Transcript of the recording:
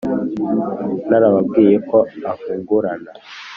narababwiye ko avungurana